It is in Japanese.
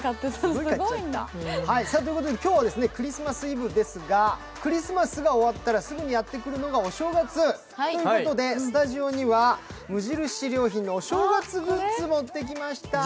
今日はクリスマスイブですが、クリスマスが終わったらすぐにやってくるのがお正月ということで、スタジオには無印良品のお正月グッズ持ってきました。